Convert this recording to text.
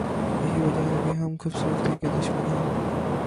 یہی وجہ ہے کہ ہم خوبصورتی کے دشمن ہیں۔